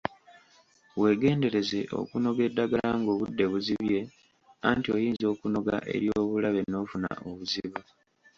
Weegendereze okunoga eddagala ng'obudde buzibye anti oyinza okunoga ery'obulabe n'ofuna obuzibu.